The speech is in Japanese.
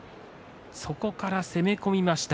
そこから攻め込みました。